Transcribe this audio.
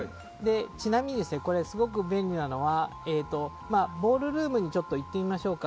ちなみに、すごく便利なのはＢａｌｌｒｏｏｍに行ってみましょうか。